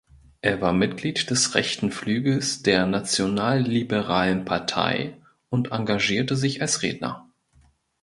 Er war Mitglied des rechten Flügels der Nationalliberalen Partei und engagierte sich als Redner.